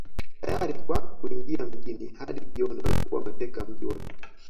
Tayari kwa kuingia mjini Hadi jioni walikuwa wameteka mji wote